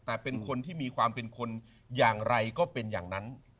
แต่เป็นคนที่มีความเป็นคนอย่างไรก็เป็นอย่างนั้น